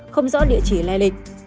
không rõ địa chỉ lai lịch